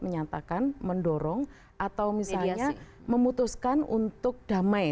menyatakan mendorong atau misalnya memutuskan untuk damai